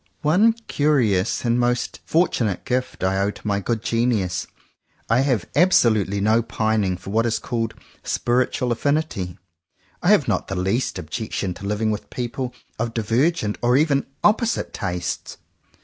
One curious and most fortunate gift I owe to my good genius. I have absolutely no pining for what is called "spiritual af finity." I have not the least objection to living with people of divergent or even opposite tastes.